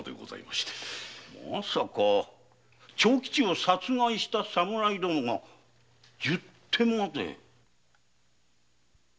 まさか長吉を殺害した侍どもが十手まで？